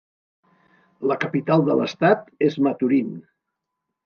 La capital de l'estat és Maturín.